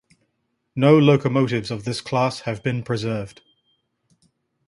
No locomotives of this class have been preserved.